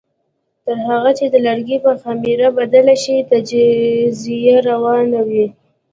تر هغه چې د لرګي په خمېره بدل شي تجزیه روانه وي.